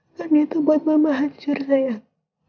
bukannya itu buat mama hancur sayang